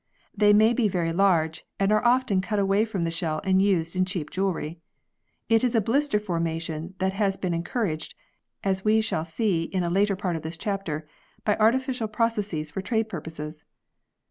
They may be very large, and are often cut away from the shell and used in cheap jewellery. It is blister formation that has been encouraged, as we shall see in a later part of this chapter, by artificial processes for trade purposes.